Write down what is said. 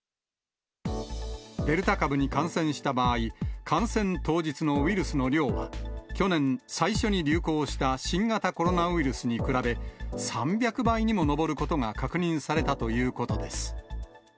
デルタ株に感染した場合、感染当日のウイルスの量は、去年、最初に流行した新型コロナウイルスに比べ、３００倍にも上ることが確認されたということです。